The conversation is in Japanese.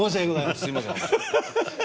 すいません。